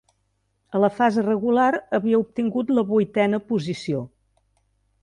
A la fase regular havia obtingut la vuitena posició.